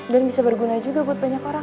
dan bisa berguna juga buat banyak orang